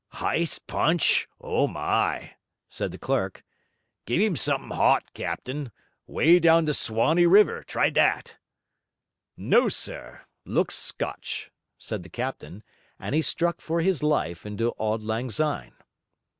'Hiced punch? O my!' said the clerk. 'Give him something 'ot, captain. "Way down the Swannee River"; try that.' 'No, sir! Looks Scotch,' said the captain; and he struck, for his life, into 'Auld Lang Syne.'